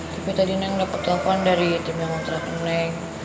tapi tadi neng dapet telepon dari tim yang ngontrak neng